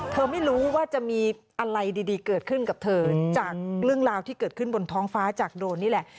เธอไม่รู้ว่าจะมีอะไรดีเกิดขึ้นกับเธอจากเรื่องราวที่เกิดขึ้นบนท้องฟ้าจากโดรนนี่แหละ